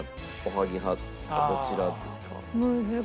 どちらですか？